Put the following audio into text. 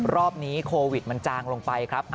รอบนี้โควิดมันจางลงไปครับ